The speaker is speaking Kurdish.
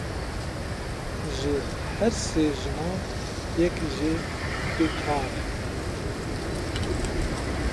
Ji her sê jinan yek jê bê kar e.